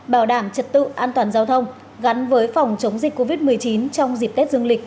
bảo đảm trật tự an toàn giao thông gắn với phòng chống dịch covid một mươi chín trong dịp tết dương lịch